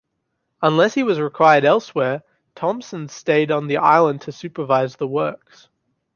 Unless he was required elsewhere, Thomson stayed on the island to supervise the works.